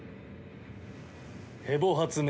ヘボ発明